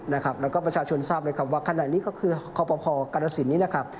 แล้วก็ประชาชนทราบว่าขณะนี้ก็คือครอบครัวพอการสินนี้